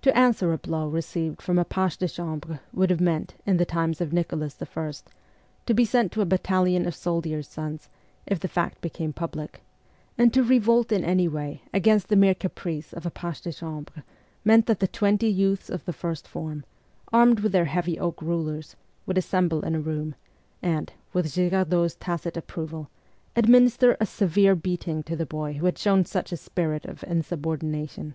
To answer a blow received from a page de chambre would have meant, in the times of Nicholas I., to be sent to a battalion of soldiers' sons, if the fact became public ; and to revolt in any way against the mere caprice of a page de chambre meant that the twenty youths of the first form, armed with their heavy oak rulers, would assemble in a room, and, with Girar dot's tacit approval, administer a severe beating to the boy who had shown such a spirit of insubordina tion.